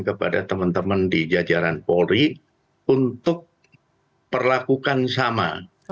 kepada teman teman di jajaran polri untuk perlakukan sama